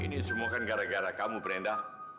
ini semua kan gara gara kamu perintah